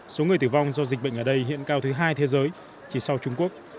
số người tử vong do dịch bệnh ở đây hiện cao thứ hai thế giới chỉ sau trung quốc